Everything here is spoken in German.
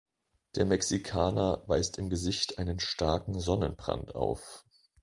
Der Mexikaner weist im Gesicht einen starken Sonnenbrand auf.